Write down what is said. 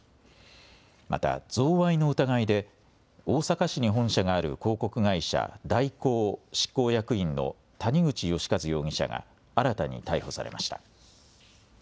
また贈賄の疑いで大阪市に本社がある広告会社、大広執行役員の谷口義一容疑者が新たに逮捕されました。